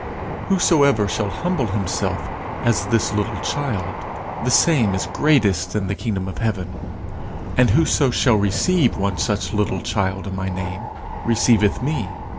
Whosoever shall humble himself as this little child, the same is greatest in the kingdom of heaven. And whoso shall receive one such little child in my name receiveth me.